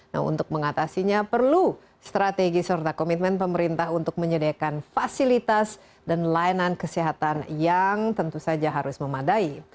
nah untuk mengatasinya perlu strategi serta komitmen pemerintah untuk menyediakan fasilitas dan layanan kesehatan yang tentu saja harus memadai